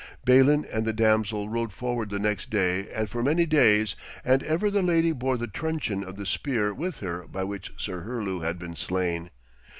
Balin and the damsel rode forward the next day and for many days, and ever the lady bore the truncheon of the spear with her by which Sir Herlew had been slain.